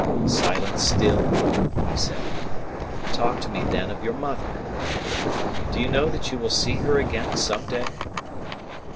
"Silent still?" I said. "Talk to me, then, of your mother, Rima. Do you know that you will see her again some day?"